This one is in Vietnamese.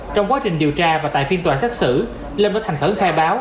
trong quá trình điều tra và tại phiên tòa xét xử lâm đã thành khẩn khai báo